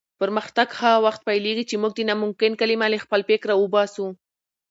پرمختګ هغه وخت پیلېږي چې موږ د ناممکن کلمه له خپل فکره وباسو.